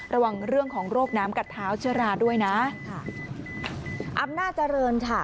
ระวังเรื่องของโรคน้ำกัดเท้าเชื้อราด้วยนะค่ะอำนาจเจริญค่ะ